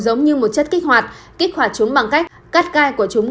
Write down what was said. giống như một chất kích hoạt kích hỏa chúng bằng cách cắt gai của chúng